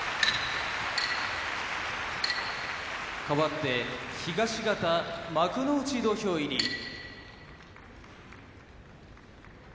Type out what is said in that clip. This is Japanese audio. かわって東方幕内土俵入り。